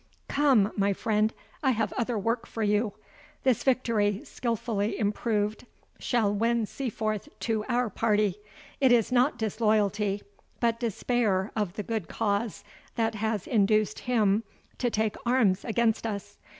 Come, my friend, I have other work for you. This victory, skilfully improved, shall win Seaforth to our party. It is not disloyalty, but despair of the good cause, that has induced him to take arms against us.